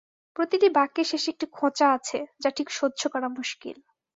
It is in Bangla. প্রতিটি বাক্যের শেষে একটি খোঁচা আছে, যা ঠিক সহ্য করা মুশকিল।